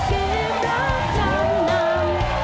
เกมรับจำนำ